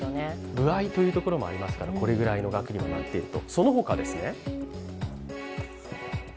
歩合というところもありますからこれぐらいの額にはなっていると。